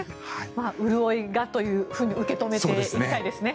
潤いがと受け止めていきたいですね。